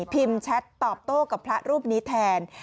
แชทตอบโต้กับพระรูปนี้แทน